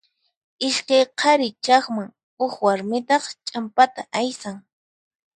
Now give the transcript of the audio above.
Iskay qhari chaqman, huk warmitaq ch'ampata aysan.